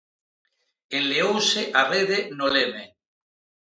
Enleouse a rede no leme.